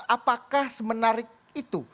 apakah semenarik itu